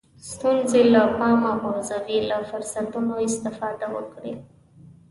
ستونزې له پامه وغورځوئ له فرصتونو استفاده وکړئ.